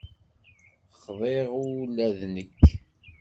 Xḍiɣ ula d nekk.